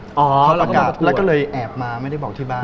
เขาประกาศแล้วก็เลยแอบมาไม่ได้บอกที่บ้าน